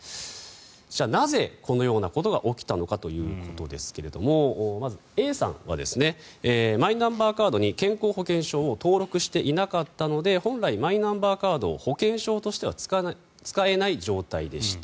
じゃあなぜ、このようなことが起きたのかということですがまず、Ａさんはマイナンバーカードに健康保険証を登録していなかったので本来、マイナンバーカードを保険証としては使えない状態でした。